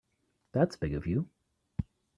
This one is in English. That's big of you.